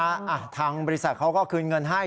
อ่ะทางบริษัทเขาก็คืนเงินให้